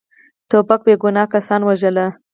توپک بیګناه کسان وژلي.